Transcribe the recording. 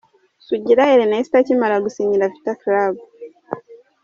Sugira Ernest akimara gusinyira Vita Club.